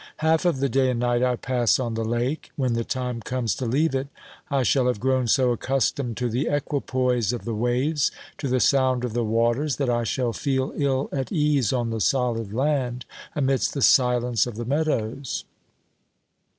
Half of the day and night I pass on the lake ; when the time comes to leave it I shall have grown so accustomed to the equipoise of the waves, to the sound of the waters, that I shall feel ill at ease on the solid land, amidst the silence of the meadows.